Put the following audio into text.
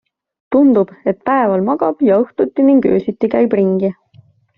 Tundub, et päeval magab ja õhtuti ning öösiti käib ringi.